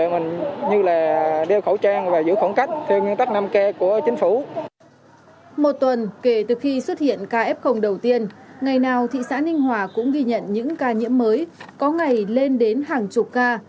một tuần kể từ khi xuất hiện ca f đầu tiên ngày nào thị xã ninh hòa cũng ghi nhận những ca nhiễm mới có ngày lên đến hàng chục ca